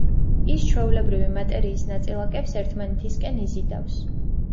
ის ჩვეულებრივი მატერიის ნაწილაკებს ერთმანეთისკენ იზიდავს.